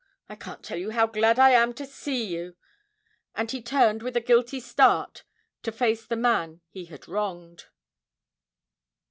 I can't tell you how glad I am to see you!' And he turned with a guilty start to face the man he had wronged.